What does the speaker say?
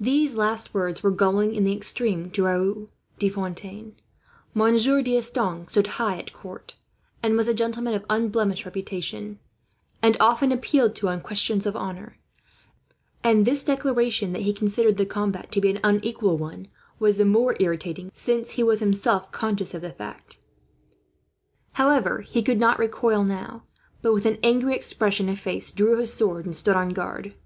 The last words were galling, in the extreme, to Raoul de Fontaine. Monsieur D'Estanges stood high at court, was a gentleman of unblemished reputation, and often appealed to on questions of honour; and this declaration that he considered the combat to be an unequal one was the more irritating, since he was himself conscious of the fact. However, he could not recoil now but, with an angry expression of face, drew his sword and stood on guard.